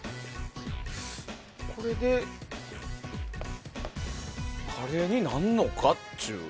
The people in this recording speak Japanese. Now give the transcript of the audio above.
これでカレーになるのかっちゅう。